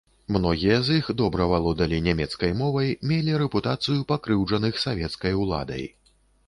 Многія з іх добра валодалі нямецкай мовай, мелі рэпутацыю пакрыўджаных савецкай уладай.